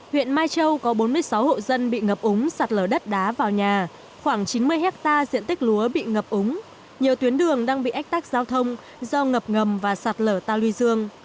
huyện mai châu có bốn mươi sáu hộ dân bị ngập úng sạt lở đất đá vào nhà khoảng chín mươi hectare diện tích lúa bị ngập úng nhiều tuyến đường đang bị ách tắc giao thông do ngập ngầm và sạt lở ta luy dương